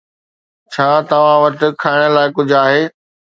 ڇا توهان وٽ کائڻ لاءِ ڪجهه آهي؟